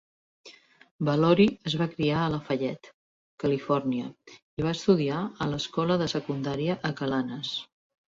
Valory es va criar a Lafayette, Califòrnia, i va estudiar a l'escola de secundària Acalanes.